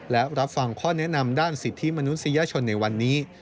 และรับฟังข้อแนะนำด้านสิทธิมนุษยชนในวันนี้